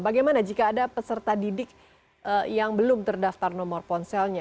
bagaimana jika ada peserta didik yang belum terdaftar nomor ponselnya